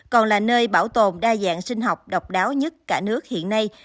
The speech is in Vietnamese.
còn là nơi bảo tồn đa dạng sinh học độc đáo nhất cả nước hiện nay